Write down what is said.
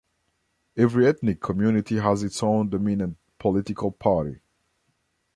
Every ethnic community has its own dominant political party.